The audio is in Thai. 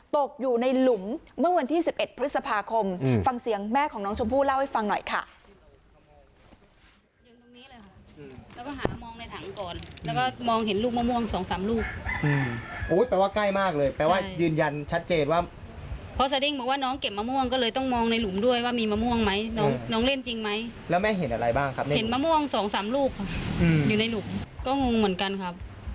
ตกอยู่ในหลุมเมื่อวันที่๑๑พฤษภาคมฟังเสียงแม่ของน้องชมพู่เล่าให้ฟังหน่อยค่ะ